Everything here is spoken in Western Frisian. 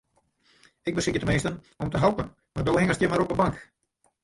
Ik besykje teminsten om te helpen, mar do hingest hjir mar op 'e bank.